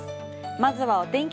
まずはお天気